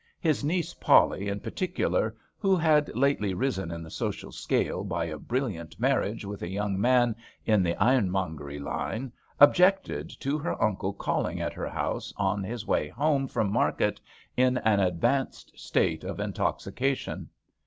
His niece Polly in par ticular, who had lately risen in the social scale by a brilliant marriage with a young man in the ironmongery line, objected to her uncle calling at her house on his way home from market in an advanced state of intoxication.